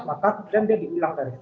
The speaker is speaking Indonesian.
maka kemudian dia dihilang dari kemah